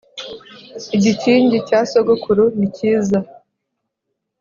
igikingi cya sogokuru ni kiza